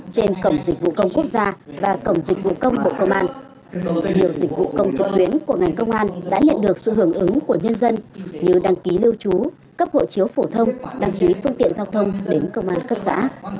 trên cổng dịch vụ công quốc gia và cổng dịch vụ công bộ công an nhiều dịch vụ công trực tuyến của ngành công an đã nhận được sự hưởng ứng của nhân dân như đăng ký lưu trú cấp hộ chiếu phổ thông đăng ký phương tiện giao thông đến công an cấp xã